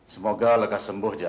semoga lekas sembuh jam